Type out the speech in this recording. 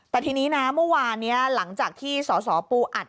แต่ทีนี้นะเมื่อวานนี้หลังจากที่สสปูอัด